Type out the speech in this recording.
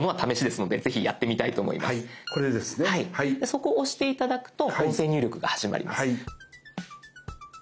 そこを押して頂くと音声入力が始まります。